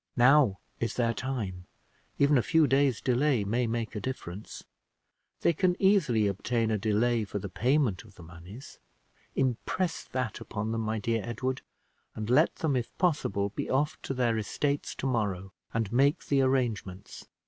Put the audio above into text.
Now is their time: even a few days' delay may make a difference. They can easily obtain a delay for the payment of the moneys. Impress that upon them, my dear Edward, and let them, if possible, be off to their estates to morrow and make the arrangements."